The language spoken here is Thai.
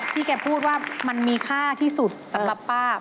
แกพูดว่ามันมีค่าที่สุดสำหรับป้า